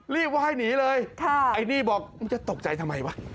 ว่าให้หนีเลยไอ้นี่บอกมึงจะตกใจทำไมวะ